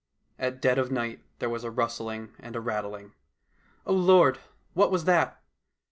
At dead of night there was a rustling and a rattling. O Lord ! what was that